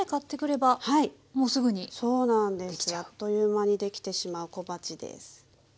そうなんですあっという間にできてしまう小鉢です。